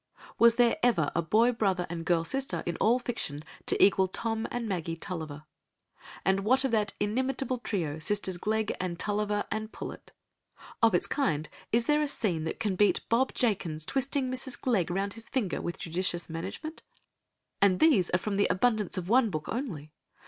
Was there ever a boy brother and girl sister in all fiction to equal Tom and Maggie Tulliver? And what of that inimitable trio, Sisters Glegg and Tulliver and Pullet? Of its kind is there a scene that can beat Bob Jakin's twisting Mrs. Glegg round his finger with judicious management? And these are from the abundance of one book only.